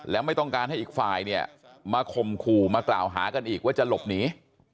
แล้วไม่ต้องการให้อีกฟายมาคมครูมากล่าวหากันอีกว่าจะหลบหนี